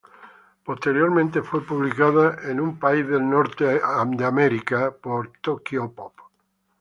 Posteriormente fue publicada en los Estados Unidos por Tokyopop.